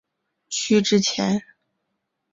区之前。